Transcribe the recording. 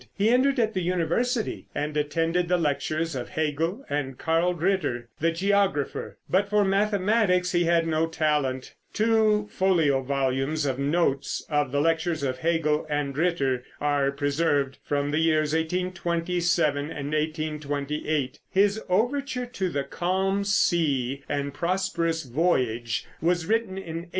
He entered at the University and attended the lectures of Hegel and Carl Ritter, the geographer, but for mathematics he had no talent. Two folio volumes of notes of the lectures of Hegel and Ritter are preserved from the years 1827 and 1828. His overture to "The Calm Sea and Prosperous Voyage" was written in 1828.